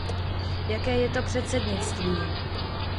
Jaké je to předsednictví?